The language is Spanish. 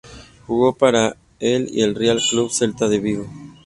Jugó para el y el Real Club Celta de Vigo.